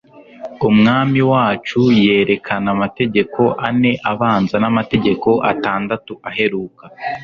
Umwami wacu yerekana amategeko ane abanza n'amategeko atandatu aheruka